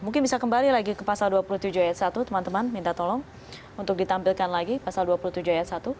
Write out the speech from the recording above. mungkin bisa kembali lagi ke pasal dua puluh tujuh ayat satu teman teman minta tolong untuk ditampilkan lagi pasal dua puluh tujuh ayat satu